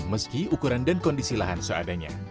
meski ukuran dan kondisi lahan seadanya